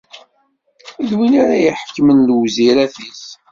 D win ara iḥekmen lewzirat-is.